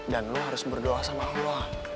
dan lo harus berdoa sama allah